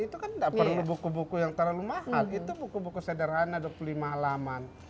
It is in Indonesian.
itu kan tidak perlu buku buku yang terlalu mahal itu buku buku sederhana dua puluh lima alaman